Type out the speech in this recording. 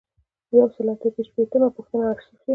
یو سل او اته شپیتمه پوښتنه آرشیف دی.